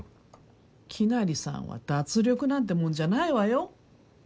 きなりさんは脱力なんてもんじゃないわよ。